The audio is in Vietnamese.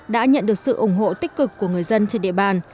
đã nhận được sự ủng hộ tích cực của người dân trên địa bàn